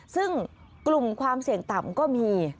ซึ่งกลุ่มความเสี่ยงต่ำก็มี